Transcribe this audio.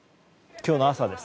今日の朝です。